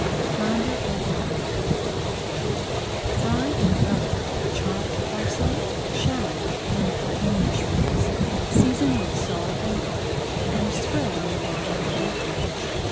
FLOUNDER AU GRATIN Fry in butter chopped parsley, shallot, and button mushrooms. Season with salt and pepper and spread on the bottom of a baking dish.